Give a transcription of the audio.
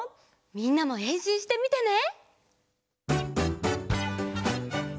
みんなもへんしんしてみてね！